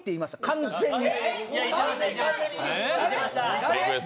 完全に。